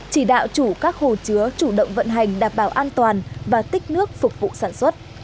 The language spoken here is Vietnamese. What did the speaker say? chỉ đạo chủ các hồ chứa chủ động vận hành đảm bảo an toàn và tích nước phục vụ sản xuất